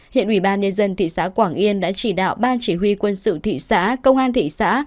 hiện ubnd thị xã quảng yên đã chỉ đạo ba chỉ huy quân sự thị xã công an thị xã